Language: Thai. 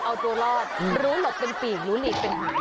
เอาตัวรอดรู้หลบเป็นปีกรู้หลีกเป็น